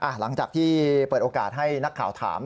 หลังจากที่เปิดโอกาสให้นักข่าวถาม